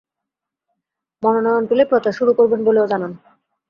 মনোনয়ন পেলে প্রচার শুরু করবেন বলেও জানান।